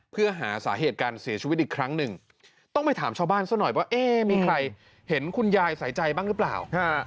เพื่อหาสาเหตุการเสียชีวิตอีกครั้งหนึ่งต้องไปถามชาวบ้านซะหน่อยว่าเอ๊ะมีใครเห็นคุณยายใส่ใจบ้างหรือเปล่า